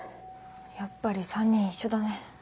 やっぱり３人一緒だね。